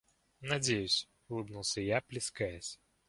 — Надеюсь, — улыбнулся я, плескаясь.